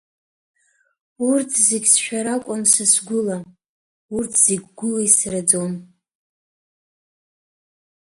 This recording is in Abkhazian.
Урҭ зегь сшәаракәын са гәыла, урҭ зегь гәыла исраӡон.